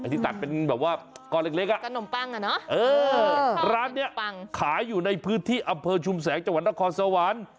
ที่ตัดเป็นแบบว่ากอดเล็กอะเออร้านเนี่ยขายอยู่ในพื้นที่อำเภอชุมแสงจังหวัดนครสวรรค์